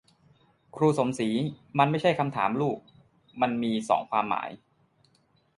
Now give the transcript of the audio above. ครูสมศรี : มันไม่ใช่คำถามลูก มันมีสองความหมาย